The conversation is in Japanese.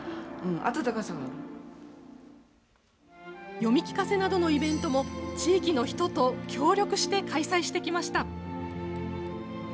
読み聞かせなどのイベントも、地域の人と協力して開催してきました。